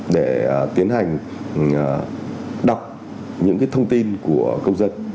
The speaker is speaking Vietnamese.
để tiến hành đọc những thông tin của công dân